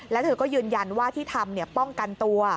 แล้วเธอก็ยืนยันว่าที่ทำป้องกันตัว